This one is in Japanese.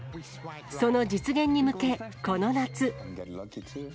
その実現に向け、この夏。